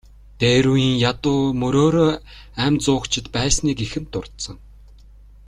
Дээр үеийн ядуу мөрөөрөө амь зуугчид байсныг эхэнд дурдсан.